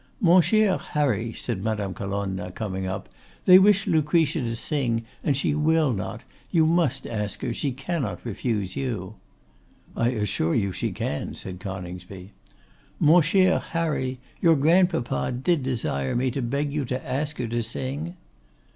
'Mon cher Harry,' said Madame Colonna, coming up, 'they wish Lucretia to sing and she will not. You must ask her, she cannot refuse you.' 'I assure you she can,' said Coningsby. 'Mon cher Harry, your grandpapa did desire me to beg you to ask her to sing.